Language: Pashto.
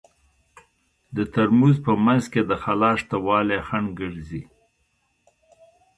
د ترموز په منځ کې د خلاء شتوالی خنډ ګرځي.